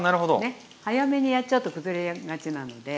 ねっ早めにやっちゃうと崩れがちなので。